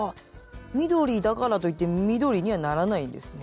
緑だからといって緑にはならないんですね。